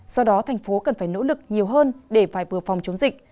do đó tp hcm cần phải nỗ lực nhiều hơn để phải bừa phòng chống dịch